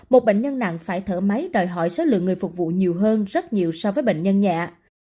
một bệnh nhân nặng phải thở máy đòi hỏi số lượng người phục vụ nhiều hơn rất nhiều so với bệnh nhân nhẹ